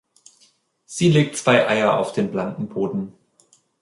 Sie legt zwei Eier auf den blanken Boden.